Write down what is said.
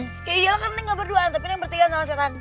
ya iyalah kan ini gak berduaan tapi ini yang bertiga sama setan